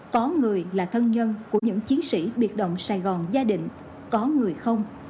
có người là thân nhân của những chiến sĩ biệt động sài gòn gia đình có người không